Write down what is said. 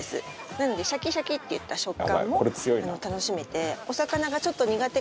なのでシャキシャキっていった食感も楽しめて。